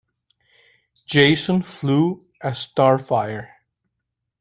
Jason flew a "Starfire".